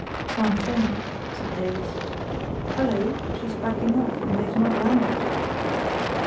"Can't think," said Davies. "Hullo! she's backing off, and they've not landed."